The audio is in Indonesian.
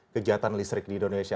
kejahatan listrik di indonesia